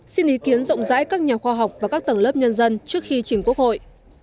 xin ý kiến rộng rãi các nhà khoa học và các tầng lớp nhân dân trước khi chỉnh quốc hội